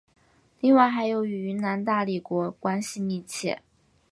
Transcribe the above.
另外还与云南大理国关系密切。